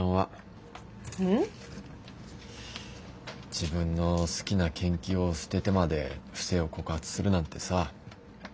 自分の好きな研究を捨ててまで不正を告発するなんてさ。